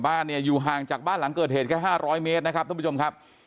บ้านเนี่ยอยู่ห่างจากบ้านหลังเกิดเหตุแค่๕๐๐เมตรนะครับท่านผู้ชมครับ